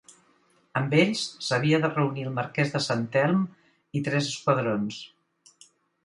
Amb ells s'havia de reunir el Marquès de Sant Telm i tres esquadrons.